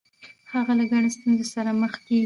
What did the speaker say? هغه له ګڼو ستونزو سره مخ کیږي.